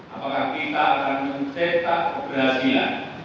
apakah kita akan mencetak keberhasilan